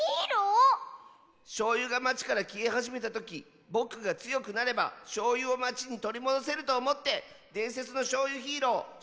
しょうゆがまちからきえはじめたときぼくがつよくなればしょうゆをまちにとりもどせるとおもってでんせつのしょうゆヒーローショーユージャー